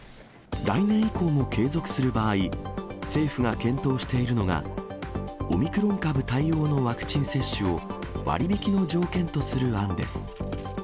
来年以降も継続する場合、政府が検討しているのが、オミクロン株対応のワクチン接種を、割引の条件とする案です。